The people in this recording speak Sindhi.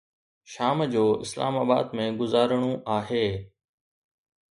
شام جو اسلام آباد ۾ گذارڻو آهي.